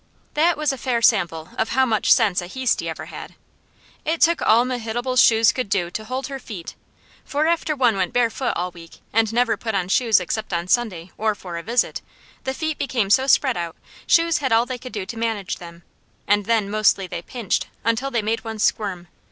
That was a fair sample of how much sense a Heasty ever had. It took all Mehitabel's shoes could do to hold her feet, for after one went barefoot all week, and never put on shoes except on Sunday or for a visit, the feet became so spread out, shoes had all they could do to manage them, and then mostly they pinched until they made one squirm.